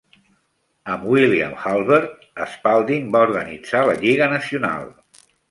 Amb William Hulbert, Spalding va organitzar la Lliga Nacional.